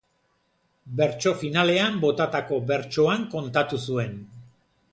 Bertso finalean botatako bertsoan kontatu zuen.